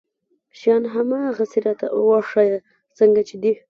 شيان هغسې راته وښايه څرنګه چې دي.